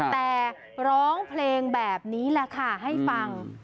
แต่ร้องเพลงแบบนี้แหละค่ะให้ฟัง